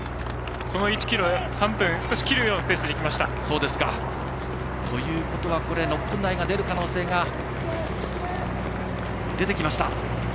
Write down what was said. この１ｋｍ、３分を少し切るようなペースで６分台が出る可能性が出てきました。